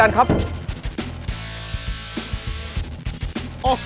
แกร่งจริง